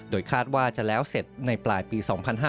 โดยคาดว่าจะแล้วเสร็จในปลายปี๒๕๕๙